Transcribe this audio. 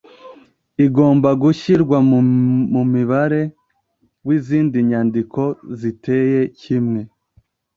igomba gushyirwa mu mubare w'izindi nyandiko ziteye kimwe